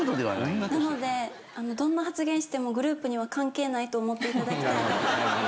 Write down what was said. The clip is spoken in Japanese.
なのでどんな発言してもグループには関係ないと思っていただきたいなと。